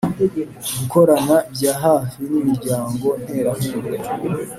Gukorana bya hafi n’imiryango nterankunga